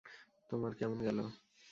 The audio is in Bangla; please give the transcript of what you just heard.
তোমার কেমন গেল?